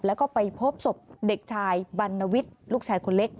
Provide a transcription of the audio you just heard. แล้วก็ไปพบศพเด็กชายบรรณวิทย์ลูกชายคนเล็ก